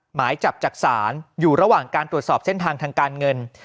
หมายจับจากศาลอยู่ระหว่างการตรวจสอบเส้นทางทางการเงิน